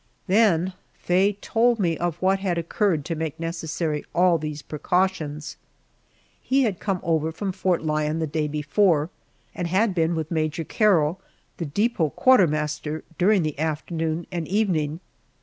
Then Faye told me of what had occurred to make necessary all these precautions. He had come over from Fort Lyon the day before, and had been with Major Carroll, the depot quartermaster, during the afternoon and evening.